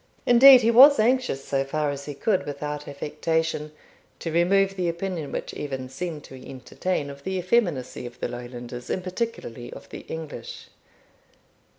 Indeed he was anxious, so far as he could without affectation, to remove the opinion which Evan seemed to entertain of the effeminacy of the Lowlanders, and particularly of the English.